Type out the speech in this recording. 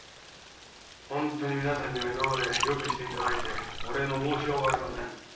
ホントに皆さんには今までよくしていただいてお礼の申しようがありません。